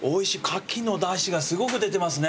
カキのだしがすごく出てますね。